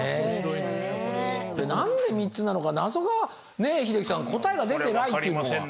何で３つなのか謎がねえ英樹さん答えが出てないっていうのが。